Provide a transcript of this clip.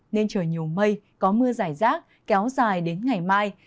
nên trời nhiều mây có mưa giải rác kéo dài đến ngày mai